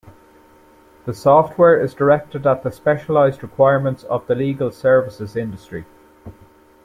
The software is directed at the specialized requirements of the legal services industry.